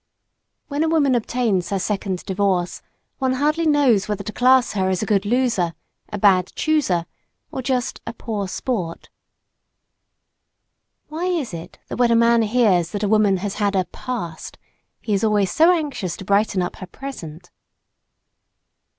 When a woman obtains her second divorce, one hardly knows whether to class her as a good loser, a bad chooser, or just a "poor sport." Why is it that when a man hears that a woman has had a "past," he is always so anxious to brighten up her present?